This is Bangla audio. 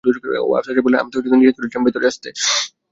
আফসার সাহেব বললেন, আমি তো নিষেধ করেছিলাম ভেতরে আসতে।